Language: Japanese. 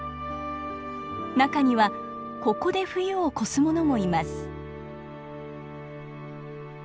中にはここで冬を越すものもいます。